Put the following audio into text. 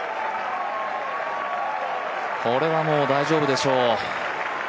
これはもう大丈夫でしょう。